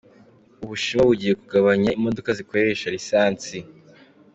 Ubushinwa bugiye kugabanya imodoka zikoresha lisansi.